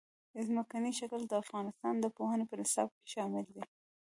ځمکنی شکل د افغانستان د پوهنې په نصاب کې شامل دي.